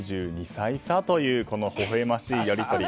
９２歳差というほほ笑ましいやり取り。